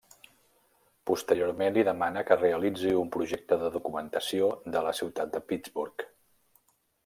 Posteriorment li demana que realitzi un projecte de documentació de la ciutat de Pittsburgh.